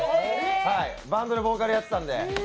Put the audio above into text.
バンドでボーカルやってたんで。